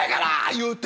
言うて。